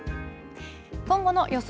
今後の予想